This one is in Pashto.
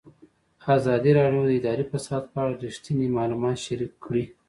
ازادي راډیو د اداري فساد په اړه رښتیني معلومات شریک کړي.